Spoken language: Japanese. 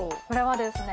これは。